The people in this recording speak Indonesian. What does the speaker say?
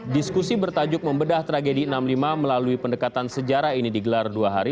diskusi bertajuk membedah tragedi enam puluh lima melalui pendekatan sejarah ini digelar dua hari